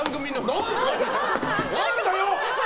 何だよ！